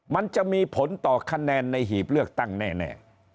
มันจะมีผลต่อคะแนนในหีบเลือกตั้งแน่